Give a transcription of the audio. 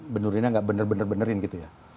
benerinnya nggak bener bener benerin gitu ya